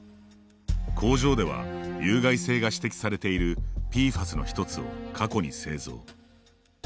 工場では有害性が指摘されているＰＦＡＳの１つを過去に製造。